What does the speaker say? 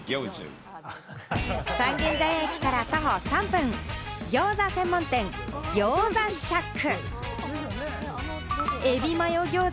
三軒茶屋駅から徒歩３分、ギョーザ専門店・ＧＹＯＺＡＳＨＡＣＫ。